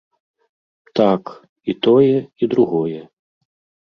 Так, і тое, і другое.